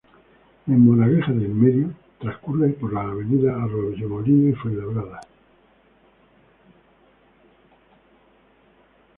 En Moraleja de Enmedio, transcurre por las avenidas Arroyomolinos y Fuenlabrada.